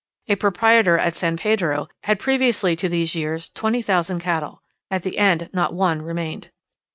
A proprietor at San Pedro had previously to these years 20,000 cattle; at the end not one remained.